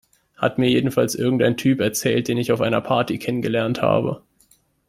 Hat mir jedenfalls irgendein Typ erzählt, den ich auf einer Party kennengelernt habe.